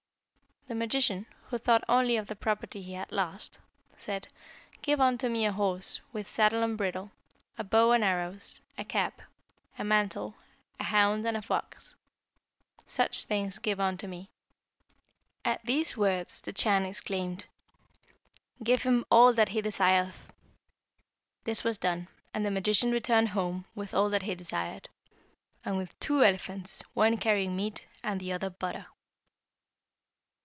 The magician, who thought only of the property he had lost, said, 'Give unto me a horse, with saddle and bridle, a bow and arrows, a cap, a mantle, a hound, and a fox. Such things give unto me.' At these words the Chan exclaimed, 'Give him all that he desireth.' This was done, and the magician returned home with all that he desired, and with two elephants, one carrying meat, and the other butter.